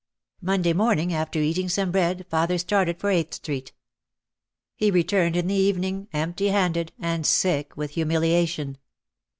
Monday morning after eating some bread father started for "Eighth Street." He returned in the evening empty handed and sick with humiliation.